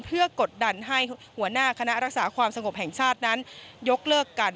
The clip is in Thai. เพื่อกดดันให้หัวหน้าคณะรักษาความสงบแห่งชาตินั้นยกเลิกกัน